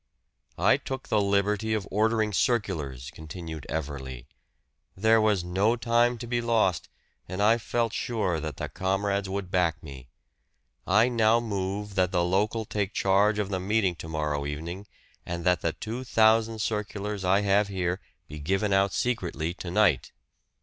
"I took the liberty of ordering circulars," continued Everley. "There was no time to be lost, and I felt sure that the comrades would back me. I now move that the local take charge of the meeting to morrow evening, and that the two thousand circulars I have here be given out secretly to night."